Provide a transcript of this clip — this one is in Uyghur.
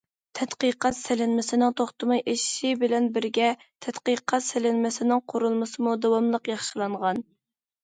تەتقىقات سېلىنمىسىنىڭ توختىماي ئېشىشى بىلەن بىرگە، تەتقىقات سېلىنمىسىنىڭ قۇرۇلمىسىمۇ داۋاملىق ياخشىلانغان.